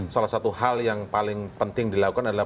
salah satu hal yang paling penting dilakukan adalah